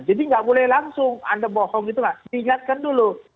jadi tidak boleh langsung anda bohong diingatkan dulu